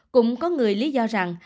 cũng có người lý do rằng